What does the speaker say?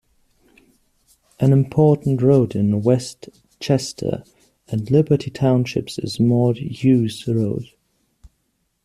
An important road in West Chester and Liberty Townships is Maud-Hughes Road.